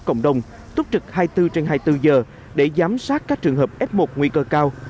cộng đồng túc trực hai mươi bốn trên hai mươi bốn giờ để giám sát các trường hợp f một nguy cơ cao